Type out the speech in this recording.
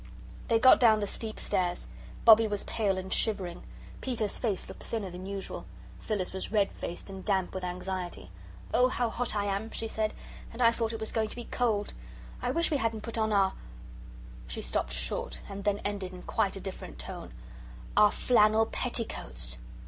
They got down the steep stairs. Bobbie was pale and shivering. Peter's face looked thinner than usual. Phyllis was red faced and damp with anxiety. "Oh, how hot I am!" she said; "and I thought it was going to be cold; I wish we hadn't put on our " she stopped short, and then ended in quite a different tone "our flannel petticoats."